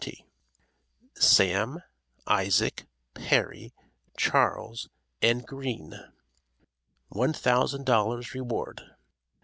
"SAM," "ISAAC," "PERRY," "CHARLES," AND "GREEN." ONE THOUSAND DOLLARS REWARD.